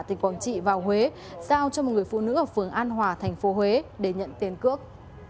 tp quảng trị vào huế giao cho một người phụ nữ ở phường an hòa tp huế để nhận tiền cước